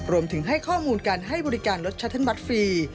รวมถึงให้ข้อมูลการให้บริการรถชัตเทิร์นบัตรฟรี